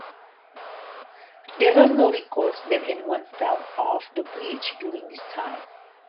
There are no records that anyone fell off the bridge during this time.